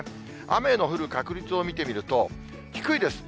雨の降る確率を見てみると、低いです。